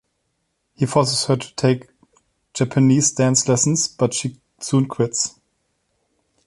He forces her to take Japanese dance lessons, but she soon quits.